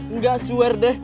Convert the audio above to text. enggak swear deh